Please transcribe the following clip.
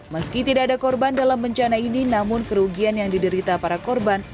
meski tidak ada korban dalam bencana ini namun kerugian yang diderita para korban